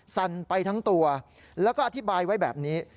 สั่นไปทั้งตัวแล้วก็อธิบายไว้แบบนี้